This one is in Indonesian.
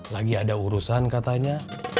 lagi ada urusan katanya